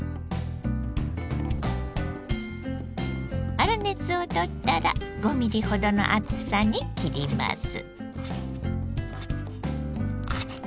粗熱を取ったら５ミリほどの厚さに切ります。